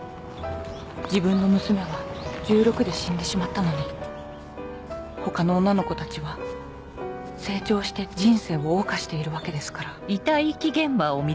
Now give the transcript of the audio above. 自分の娘は１６で死んでしまったのに他の女の子たちは成長して人生を謳歌しているわけですから。